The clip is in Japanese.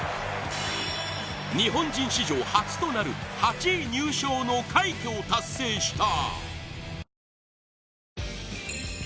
日本人史上初となる８位入賞の快挙を達成した。